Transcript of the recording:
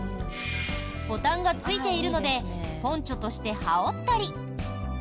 ボタンがついているのでポンチョとして羽織ったり。